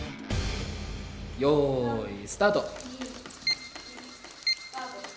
よいスタート。